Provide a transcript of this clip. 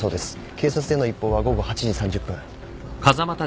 警察への一報は午後８時３０分。